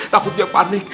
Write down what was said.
takut dia panik